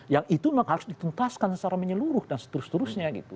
yang itu memang harus ditentaskan secara menyeluruh dan seterus terusnya gitu